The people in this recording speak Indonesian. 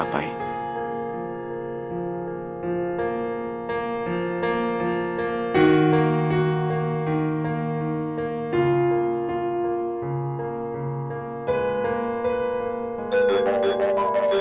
siapa lagi sih